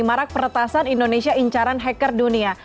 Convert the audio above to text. marak peretasan indonesia incaran hacker dunia